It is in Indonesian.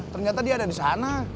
ternyata dia ada di sana